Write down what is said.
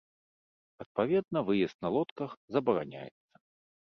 Адпаведна выезд на лодках забараняецца.